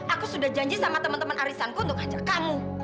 aku sudah janji sama temen temen arisanku untuk ngajar kamu